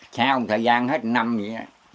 cháu một thời gian hết năm vậy đó